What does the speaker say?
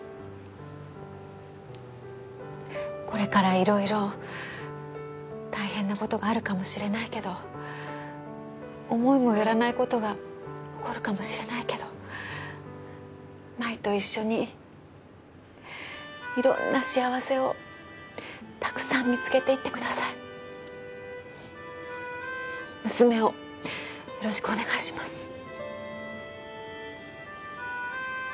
これから色々大変なことがあるかもしれないけど思いもよらないことが起こるかもしれないけど麻衣と一緒に色んな幸せをたくさん見つけていってください娘をよろしくお願いします